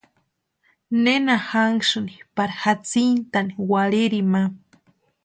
¿Nena janhasïni pari jatsintani warhirini ma?